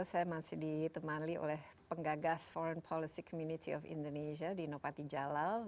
saya masih ditemani oleh penggagas foreig policy community of indonesia dino patijalal